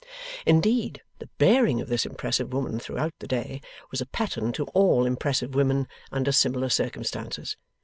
Indeed, the bearing of this impressive woman, throughout the day, was a pattern to all impressive women under similar circumstances.